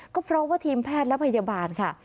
ก็เพราะว่าทีมแพทย์และพยาบาลค่ะ